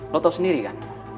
lo tau sendiri kan